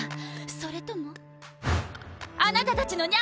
それともあなたたちのにゃ